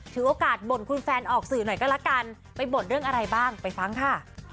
ถือโอกาสบ่นคุณแฟนออกสื่อหน่อยก็ละกันไปบ่นเรื่องอะไรบ้างไปฟังค่ะ